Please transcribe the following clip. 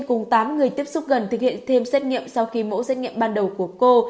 cùng tám người tiếp xúc gần thực hiện thêm xét nghiệm sau khi mẫu xét nghiệm ban đầu của cô